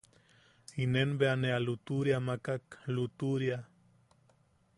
Inen ne bea ne a lutuʼuria makak. lutuʼuria.